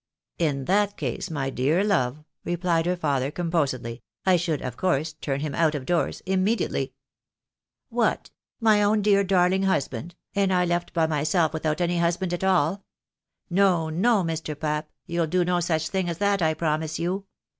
" In that case, my dear love," replied her father, composedly, " I should, of course, turn him out of doors immediately." " What ? my own dear, darling husband ? and I left by myself without any husband at all ? No, no, Mr. Pap, you'll do no such thing as that, I promise you.